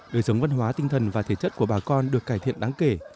đời sống văn hóa tinh thần và thể chất của bà con được cải thiện đáng kể